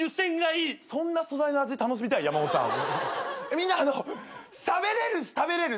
みんなしゃべれるし食べれる